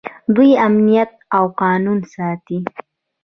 دوی امنیت او قانون ساتي.